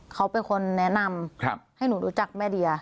เขาเป็นคนแนะนำให้หนูรู้จักแม่เดีย